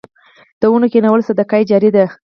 د ونو کینول صدقه جاریه ده